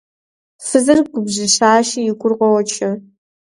Фызыр губжьыщащи, и гур къочэ.